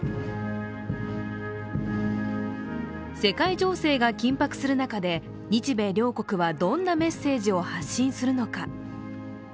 世界情勢が緊迫する中で日米両国はどんなメッセージを発信するのか。